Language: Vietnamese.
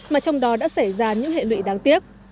mà trong đó đã xảy ra những hệ lụy đáng tiếc